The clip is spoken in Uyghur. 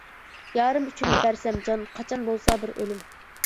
يارىم ئۈچۈن بەرسەم جان، قاچان بولسا بىر ئۆلۈم.